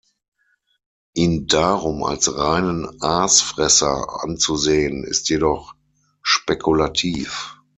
Ihn darum als reinen Aasfresser anzusehen ist jedoch spekulativ.